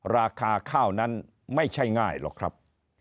ราคาข้าวนั้นไม่ใช่ง่ายหรอกครับ